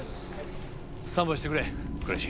スタンバイしてくれ倉石。